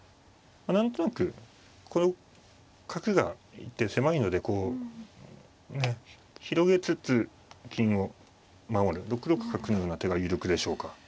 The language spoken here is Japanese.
何となくこの角がいて狭いのでこうね広げつつ金を守る６六角のような手が有力でしょうか。